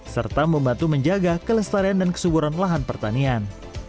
serta membantu menjaga kelestarian dan kesuburan lahan pertanian